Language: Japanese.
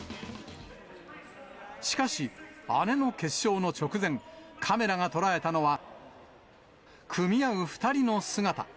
しかし、姉の決勝の直前、カメラが捉えたのは、組み合う２人の姿。